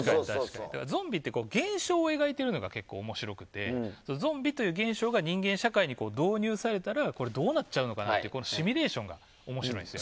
ゾンビって現象を描いているのが面白くてゾンビという現象が人間社会に導入されたらどうなっちゃうのかなというシミュレーションが面白いんですよ。